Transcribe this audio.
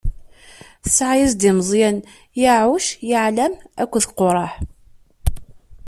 Tesɛa-as-d i Meẓyan: Yaɛuc, Yaɛlam akked Quraḥ.